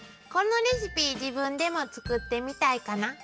このレシピ自分でも作ってみたいかな？